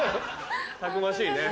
たくましいね。